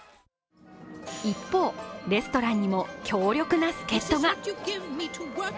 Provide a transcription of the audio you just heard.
一方、レストランにも強力な助っとが。